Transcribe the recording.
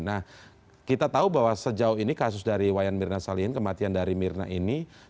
nah kita tahu bahwa sejauh ini kasus dari wayan mirna salihin kematian dari mirna ini